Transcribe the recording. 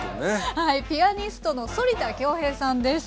はいピアニストの反田恭平さんです。